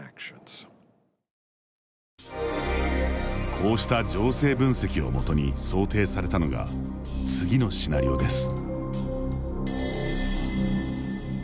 こうした情勢分析をもとに想定されたのが次のシナリオです。